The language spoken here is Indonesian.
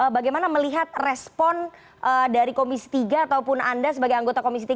bagaimana melihat respon dari komisi tiga ataupun anda sebagai anggota komisi tiga